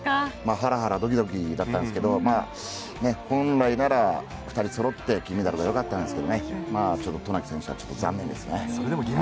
ハラハラドキドキだったんですけど本来なら２人そろって金メダルとりたかったんですが渡名喜選手はちょっと残念ですね。